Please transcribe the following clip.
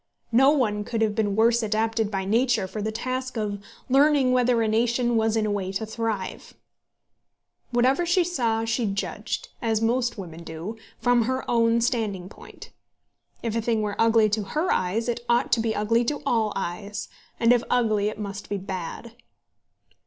No one could have been worse adapted by nature for the task of learning whether a nation was in a way to thrive. Whatever she saw she judged, as most women do, from her own standing point. If a thing were ugly to her eyes, it ought to be ugly to all eyes, and if ugly, it must be bad.